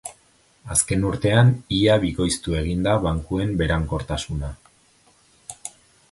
Azken urtean ia bikoiztu egin da bankuen berankortasuna.